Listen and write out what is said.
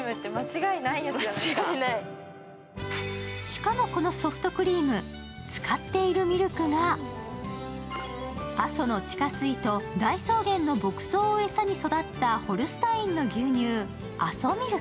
しかもこのソフトクリーム、使っているミルクが阿蘇の地下水と大草原の牧草を餌に育ったホルスタインの牛乳、ＡＳＯＭＩＬＫ。